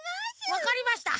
わかりました。